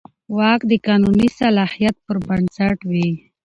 واک د قانوني صلاحیت پر بنسټ وي.